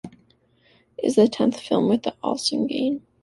It is the tenth film with the Olsen gang.